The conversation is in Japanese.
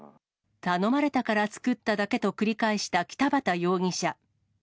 頼まれたから作っただけと繰り返した北畑容疑者。